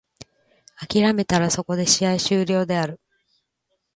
諦めたらそこで試合終了である。